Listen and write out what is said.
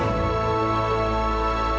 aku harus ke belakang